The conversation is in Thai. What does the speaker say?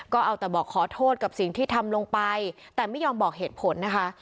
ก็เอาแต่บอกขอโทษกับสิ่งที่ทำลงไปแต่ไม่ยอมบอกเหตุผลนะคะ